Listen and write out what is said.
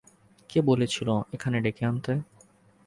কে বলেছিল এখানে ডেকে আনতে?